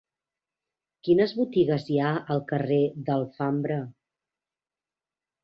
Quines botigues hi ha al carrer de l'Alfambra?